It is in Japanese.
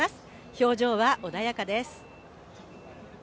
表情は穏やかです。